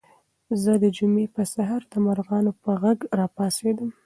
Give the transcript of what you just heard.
زه د جمعې په سهار د مرغانو په غږ راپاڅېدم.